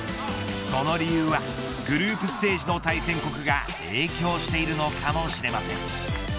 その理由はグループステージの対戦国が影響しているのかもしれません。